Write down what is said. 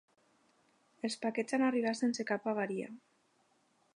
Els paquets han arribat sense cap avaria.